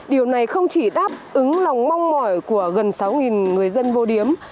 điều này không chỉ đáp ứng lòng mong mỏi của gần sáu người dân vô điếm